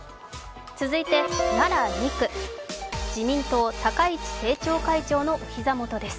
続いて、奈良２区、自民党高市政調会長のお膝元です。